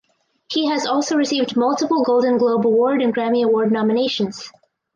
He has also received multiple Golden Globe Award and Grammy Award nominations.